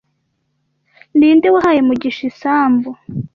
Ninde wahaye Mugisha isambu